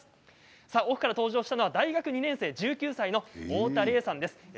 奥から登場したのは大学２年生１９歳の太田怜さんです。